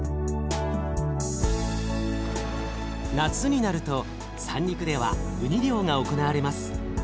夏になると三陸ではうに漁が行われます。